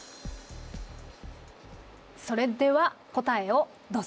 それでは答えをどうぞ。